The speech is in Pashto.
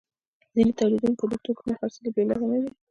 د ځینو تولیدونکو د توکو نه خرڅېدل بې علته نه دي